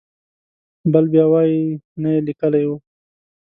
بل بیا وایي نه یې لیکلی و.